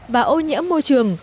và ô nhỡ môi trường